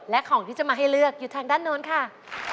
และของที่จะมาให้เลือกอยู่ทางด้านโน้นค่ะ